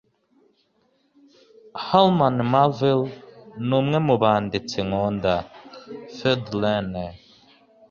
Herman Melville numwe mubanditsi nkunda. (FeuDRenais)